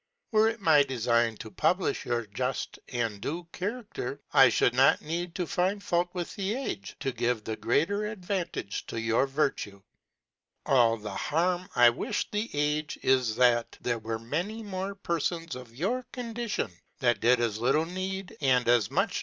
Were it my delign to publifh Your juft and due Charafter, I Ihould not need to find fault with the Age to give the greater advantage to Your Venue: All the harm I with the Age, is, that there were many more Perfons of Your Condition, that did as little need, and as much